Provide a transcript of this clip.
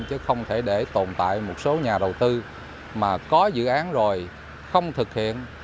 chứ không thể để tồn tại một số nhà đầu tư mà có dự án rồi không thực hiện